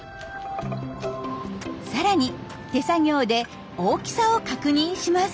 さらに手作業で大きさを確認します。